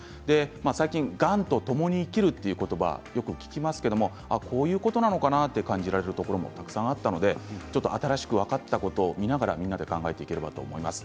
最近がんとともに生きるという言葉よく聞きますけどこういうことなのかなと感じられることもたくさんあったので新しく分かったことを見ながらみんなで考えていければと思います。